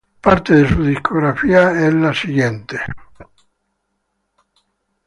Parte de su discografía es la siguiente.